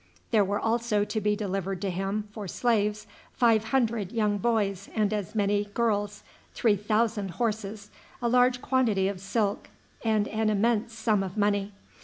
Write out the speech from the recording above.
There were also to be delivered to him for slaves five hundred young boys and as many girls, three thousand horses, a large quantity of silk, and an immense sum of money.